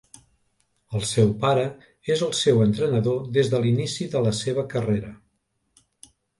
El seu pare és el seu entrenador des de l'inici de la seva carrera.